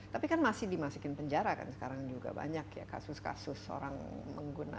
tapi kan masih dimasukin penjara kan sekarang juga banyak ya kasus kasus orang menggunakan